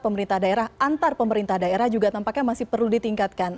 pemerintah daerah antar pemerintah daerah juga tampaknya masih perlu ditingkatkan